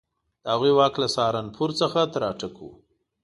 د هغوی واک له سهارنپور څخه تر اټک وو.